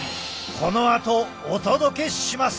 このあとお届けします！